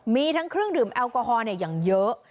มีทั้งเครื่องดื่มแอลกอฮอลอย่างเยอะ